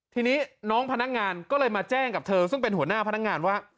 ทีนี้น้องพนักงานก็เลยมาแจ้งกับเธอซึ่งเป็นหัวหน้าพนักงานว่า